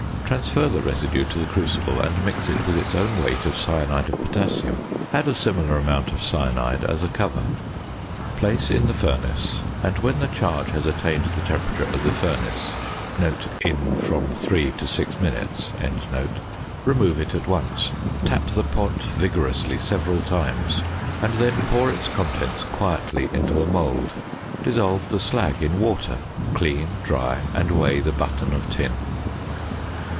Transfer the residue to the crucible and mix it with its own weight of cyanide of potassium; add a similar amount of "cyanide" as a cover. Place in the furnace, and when the charge has attained the temperature of the furnace (in from 3 to 6 minutes), remove it at once; tap the pot vigorously several times, and then pour its contents quietly into a mould. Dissolve the slag in water, clean, dry, and weigh the button of tin.